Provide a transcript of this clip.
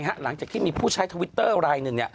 หลังจากที่มีผู้ใช้ทวิตเตอร์รายหนึ่ง